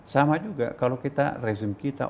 sama juga kalau kita rezim kita